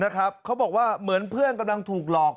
เขาบอกว่าเหมือนเพื่อนกำลังถูกหลอก